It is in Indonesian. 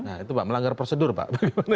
nah itu pak melanggar prosedur pak